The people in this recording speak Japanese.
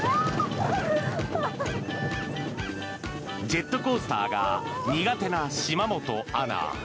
ジェットコースターが苦手な島本アナ。